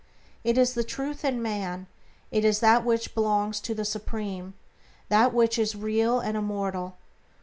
It is the Truth in man; it is that which belongs to the Supreme: that which is real and immortal.